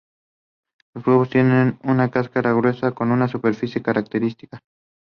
Sims attended Cristo Rey Jesuit High School in Minneapolis.